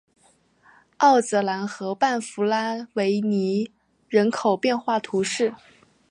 奥泽兰河畔弗拉维尼人口变化图示